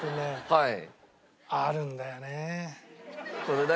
はい。